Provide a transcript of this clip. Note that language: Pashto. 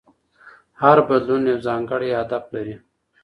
هر بدلون یو ځانګړی هدف لري.